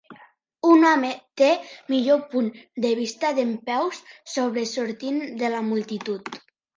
Un home té un millor punt de vista dempeus sobresortint de la multitud.